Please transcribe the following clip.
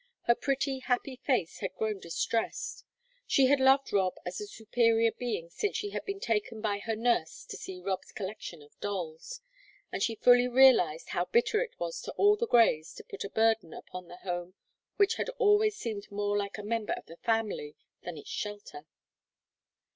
Her pretty, happy face had grown distressed; she had loved Rob as a superior being since she had been taken by her nurse to see Rob's collection of dolls, and she fully realized how bitter it was to all the Greys to put a burden upon the home which always seemed more like a member of the family than its shelter.